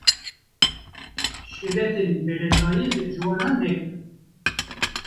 Şîretên beredayî li ciwanan nekin.